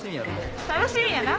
・楽しみやな！